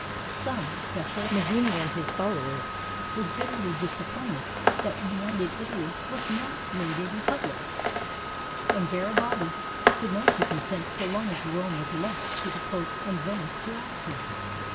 Some, especially Mazzini and his followers, were bitterly dis appointed that united Italy was not made a republic, and Garibaldi could not be content so long as Rome was left to the Pope and Venice to Austria.